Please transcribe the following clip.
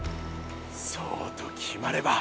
そうと決まれば。